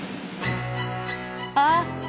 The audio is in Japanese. あ！